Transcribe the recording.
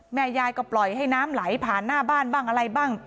แม่ยายก็ปล่อยให้น้ำไหลผ่านหน้าบ้านบ้างอะไรบ้าง